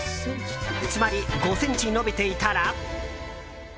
つまり、５ｃｍ伸びていたら。